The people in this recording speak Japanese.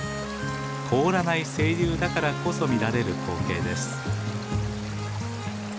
凍らない清流だからこそ見られる光景です。